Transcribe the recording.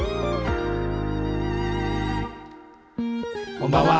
こんばんは。